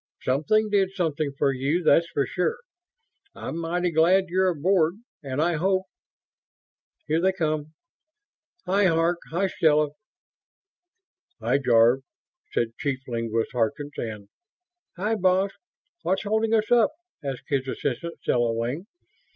"Something did something for you, that's for sure. I'm mighty glad you're aboard, and I hope ... here they come. Hi, Hark! Hi, Stella!" "Hi, Jarve," said Chief Linguist Harkins, and: "Hi, boss what's holding us up?" asked his assistant, Stella Wing.